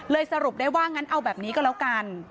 สรุปได้ว่างั้นเอาแบบนี้ก็แล้วกัน